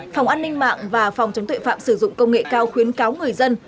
phòng an ninh mạng và phòng chống tuệ phạm sử dụng công nghệ cao khuyến cáo người dân